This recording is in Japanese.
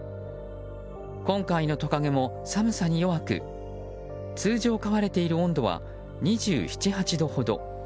今回のトカゲも寒さに弱く通常、飼われている温度は２７２８度ほど。